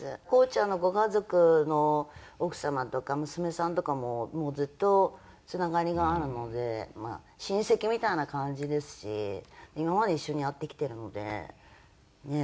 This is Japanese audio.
ＫＯＯちゃんのご家族の奥様とか娘さんとかももうずっとつながりがあるので親戚みたいな感じですし今まで一緒にやってきてるのでね